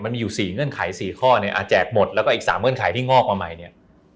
มันมีอยู่๔เงื่อนไข๔ข้อเนี่ยแจกหมดแล้วก็อีก๓เงื่อนไขที่งอกมาใหม่เนี่ย